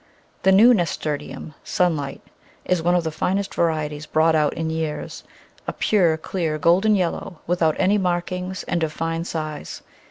The new Nasturtium, Sunlight, is one of the finest varieties brought out in years — a pure, clear, golden yellow without any markings and of fine size.